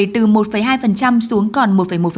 từ một hai xuống còn một một